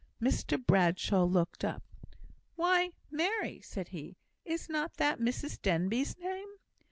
Mr Bradshaw looked up. "Why, Mary!" said he, "is not that Mrs Denbigh's name?"